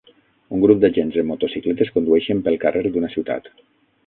Un grup d'agents en motocicletes condueixen pel carrer d'una ciutat.